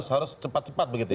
harus cepat cepat begitu ya